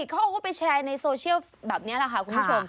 เขาเอาเขาไปแชร์ในโซเชียลแบบนี้แหละค่ะคุณผู้ชม